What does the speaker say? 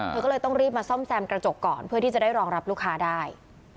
เธอก็เลยต้องรีบมาซ่อมแซมกระจกก่อนเพื่อที่จะได้รองรับลูกค้าได้